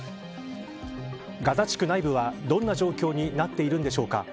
ガザ地区内部はどんな状況になっているんでしょうか。